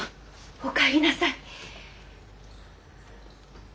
おかえりなさい。